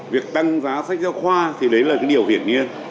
việc tăng giá sách giao khoa thì đấy là điều hiển nhiên